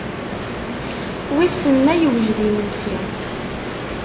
Wissen ma yewjed imensi.